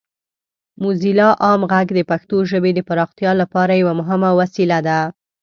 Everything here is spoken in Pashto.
موزیلا عام غږ د پښتو ژبې د پراختیا لپاره یوه مهمه وسیله ده.